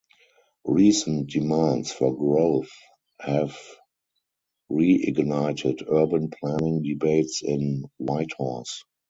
Recent demands for growth have reignited urban planning debates in Whitehorse.